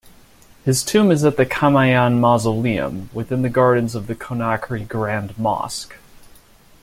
His tomb is at the Camayanne Mausoleum, within the gardens of Conakry Grand Mosque.